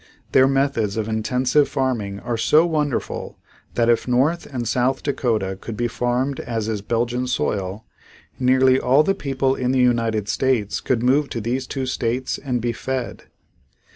Their methods of intensive farming are so wonderful that if North and South Dakota could be farmed as is Belgian soil, nearly all the people in the United States could move to these two states and be fed.